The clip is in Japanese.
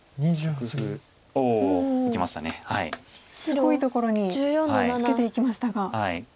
すごいところにツケていきましたが。